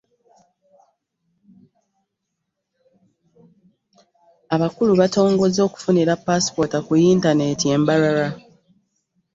Abakulu batongozza okufunira ppaasipoota ku yintanenti e Mbarara